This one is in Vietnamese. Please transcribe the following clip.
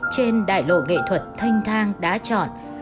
trên đại lộ nghệ thuật thanh thang đã chọn